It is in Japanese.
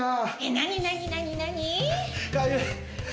何何何何？